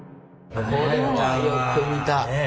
これはよく見た。